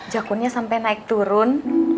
jakunnya sampai naik turun